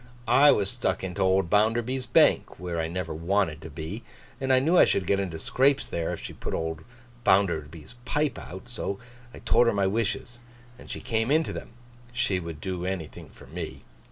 'I was stuck into old Bounderby's bank (where I never wanted to be), and I knew I should get into scrapes there, if she put old Bounderby's pipe out; so I told her my wishes, and she came into them. She would do anything for me.